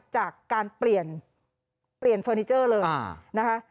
จากการเปลี่ยนเฟอร์นิเจอร์เลยนะคะ